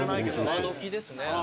「今どきですね」